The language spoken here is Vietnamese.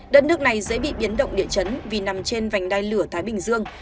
đất nước này dễ bị biến động địa chấn vì nằm trên vành đai lửa thái bình dương